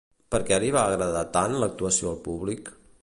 Per què li va agradar tant l'actuació al públic?